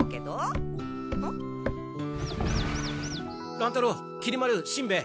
乱太郎きり丸しんべヱ。